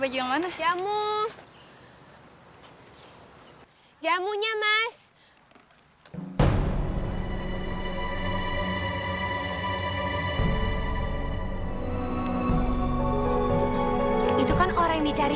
pracutp dia negara negara komputer